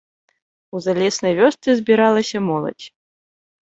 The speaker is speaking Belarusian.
У залеснай вёсцы збіралася моладзь.